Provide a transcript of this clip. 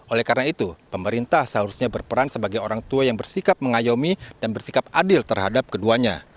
oleh karena itu pemerintah seharusnya berperan sebagai orang tua yang bersikap mengayomi dan bersikap adil terhadap keduanya